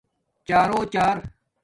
چارݸ چار